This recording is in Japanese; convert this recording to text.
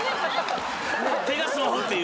手がスマホっていう。